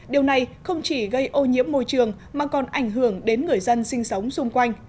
điều này không chỉ gây ô nhiễm môi trường mà còn ảnh hưởng đến người dân sinh sống xung quanh